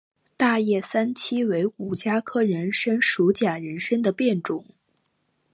大叶三七为五加科人参属假人参的变种。